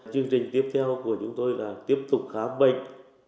chương trình tiếp theo của chúng tôi là tiếp tục khám bệnh